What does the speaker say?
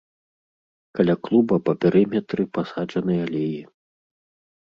Каля клуба па перыметры пасаджаны алеі.